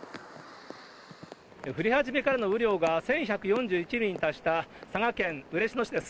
降り始めからの雨量が１１４１ミリに達した佐賀県嬉野市です。